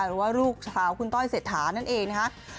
หรือว่าลูกสาวคุณต้อยเศรษฐานั่นเองนะคะ